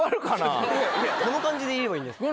この感じで言えばいいんですか？